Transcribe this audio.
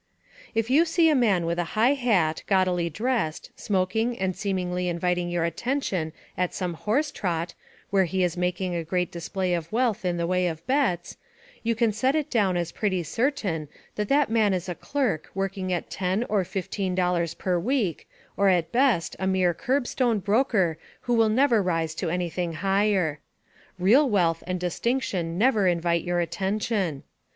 If you see a man with a high hat, gaudily dressed, smoking and seemingly inviting your attention at some horse trot, where he is making a great display of wealth in the way of bets, you can set it down as pretty certain that that man is a clerk working for $10 or $15 per week, or at best, a mere curb stone broker who will never rise to anything higher. Real wealth and distinction never invite your attention.